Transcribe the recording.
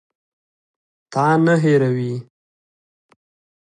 تا نه هېروي.